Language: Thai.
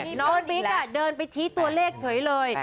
น้องบิ๊กเดินไปชี้ตัวเลขเฉยเลย